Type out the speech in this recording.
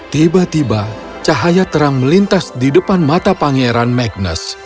tiba tiba cahaya terang melintas di depan mata pangeran magnus